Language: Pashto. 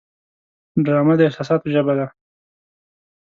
ډرامه د احساساتو ژبه ده